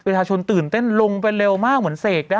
วิทยาชนตื่นเต้นลงไปเร็วมากเหมือนเสกได้